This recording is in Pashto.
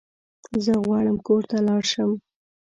زه غواړم کور ته لاړ شم